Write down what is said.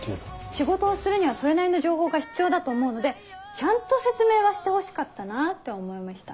仕事をするにはそれなりの情報が必要だと思うのでちゃんと説明はしてほしかったなって思いました。